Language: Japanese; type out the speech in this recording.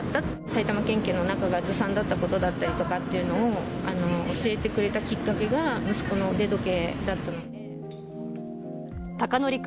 埼玉県警の中がずさんだったことだったりとかっていうのを、教えてくれたきっかけが、息子の腕時計だったので。